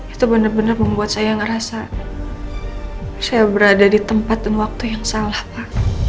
itu benar benar membuat saya merasa saya berada di tempat dan waktu yang salah pak